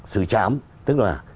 sự chám tức là